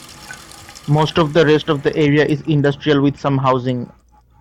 Most of the rest of the area is industrial with some housing.